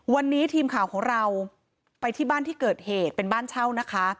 วันนี้ทีมข่าวของเราไปที่บ้านที่เกิดเหตุเป็นบ้านเช่านะคะ